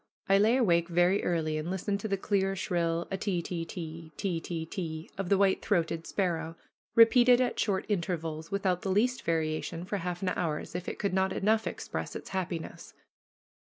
I lay awake very early and listened to the clear, shrill ah, te te, te te, te of the white throated sparrow, repeated at short intervals, without the least variation, for half an hour, as if it could not enough express its happiness.